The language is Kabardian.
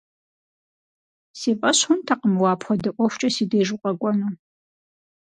Си фӀэщ хъунтэкъым уэ апхуэдэ ӀуэхукӀэ си деж укъэкӀуэну.